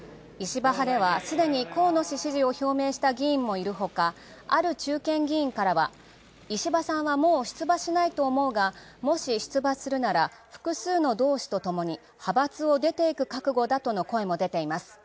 石破派ではすでに河野氏支持を表明した議員もいるほか、ある中堅議員からは石破さんは、もう出馬しないと思うが、もし出馬するなら複数の同志とともに派閥を出て行く覚悟だとの声もでています。